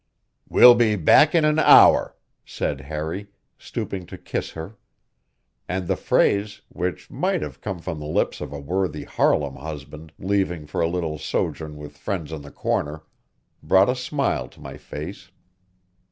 "We'll be back in an hour," said Harry, stooping to kiss her; and the phrase, which might have come from the lips of a worthy Harlem husband leaving for a little sojourn with friends on the corner, brought a smile to my face.